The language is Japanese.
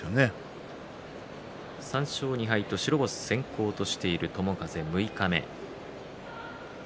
３勝２敗と白星先行している友風は六日目。